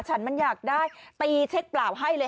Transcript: ฉันมันอยากได้ตีเช็คเปล่าให้เลย